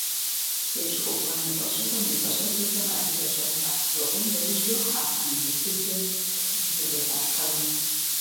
Епщыкӏубгъуанэ лӏэщӏыгъуэм и пэщӏэдзэхэм адыгэ щӏэныгъэлӏ зыкъом яужь йохьэ анэдэльхубзэм тхыбзэ хузэхалъхьэну.